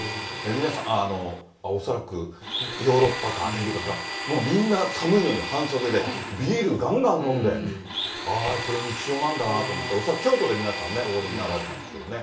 皆さん、恐らくヨーロッパかアメリカか、もうみんな寒いのに半袖で、ビールがんがん飲んで、あー、これ、日常なんだなと思って、恐らく京都で皆さんね、お降りになられたんですけどね。